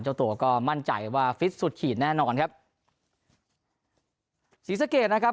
เจ้าตัวก็มั่นใจว่าฟิตสุดขีดแน่นอนครับศรีสะเกดนะครับ